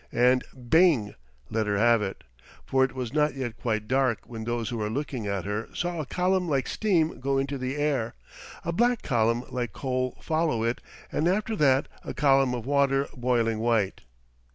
and, Bing! let her have it, for it was not yet quite dark when those who were looking at her saw a column like steam go into the air, a black column like coal follow it, and after that a column of water boiling white.